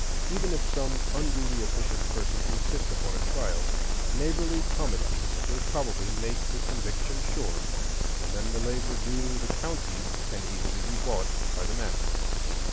Even if some unduly officious person insist upon a trial, neighborly comity will probably make his conviction sure, and then the labor due the county can easily be bought by the master.